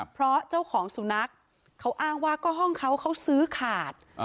เพราะเจ้าของสุนัขเขาอ้างว่าก็ห้องเขาเขาซื้อขาด